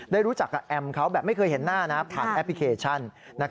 ได้รู้จักกับแอมเขาแบบไม่เคยเห็นหน้าผ่านแอปพลิเคชัน